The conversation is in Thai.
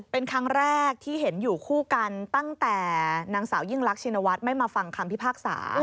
เป็นครั้งแรกที่เห็นอยู่คู่กันตั้งแต่นางสาวยิ่งรักชินวัฒน์ไม่มาฟังคำพิพากษา